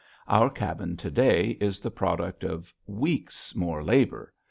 Our cabin to day is the product of weeks' more labor.